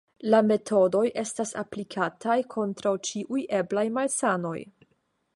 La metodoj estas aplikataj kontraŭ ĉiuj eblaj malsanoj.